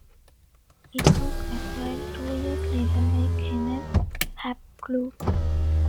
It was acquired two years later by Kenneth "Hap" Klopp.